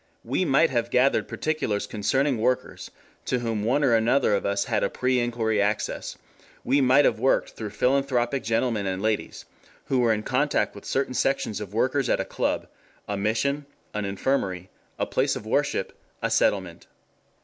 "We might have gathered particulars concerning workers to whom one or another of us had a pre inquiry access; we might have worked through philanthropic gentlemen and ladies who were in contact with certain sections of workers at a club, a mission, an infirmary, a place of worship, a settlement.